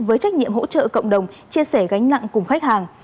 với trách nhiệm hỗ trợ cộng đồng chia sẻ gánh nặng cùng khách hàng